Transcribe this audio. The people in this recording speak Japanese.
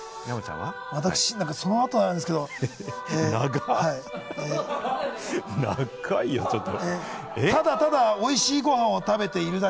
私、その後あれなんですけれども。長いよちょっと。